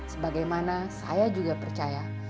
sebagaimana saya juga percaya